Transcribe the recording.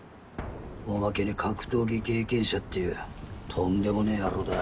おまけに格闘技経験者っていうとんでもねぇ野郎だ。